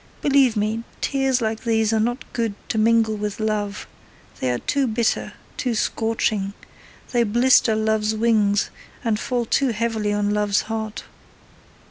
Believe me, tears like these are not good to mingle with love, they are too bitter, too scorching, they blister love's wings and fall too heavily on love's heart.